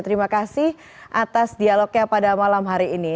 terima kasih atas dialognya pada malam hari ini